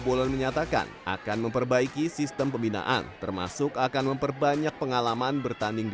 bolon menyatakan akan memperbaiki sistem pembinaan termasuk akan memperbanyak pengalaman bertanding di